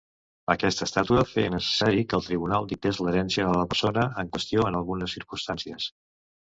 Aquesta estàtua feia necessari que el tribunal dictés l"herència de la persona en qüestió en algunes circumstàncies.